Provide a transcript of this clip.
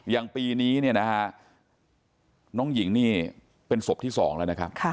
อย่างปีนี้น้องหญิงนี่เป็นศพที่๒แล้วนะครับ